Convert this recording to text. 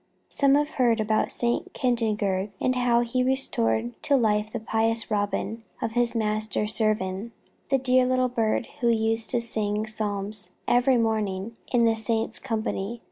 Some have heard about Saint Kentigern, and how he restored to life the pious Robin of his master Servan, the dear little bird who used to sing psalms every morning in the Saint's company.